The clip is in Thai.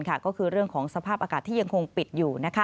ก็คือเรื่องของสภาพอากาศที่ยังคงปิดอยู่